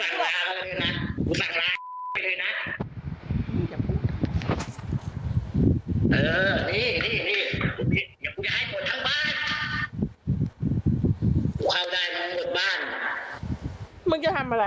เดี๋ยวกูแย่ให้โหดทั้งบ้าน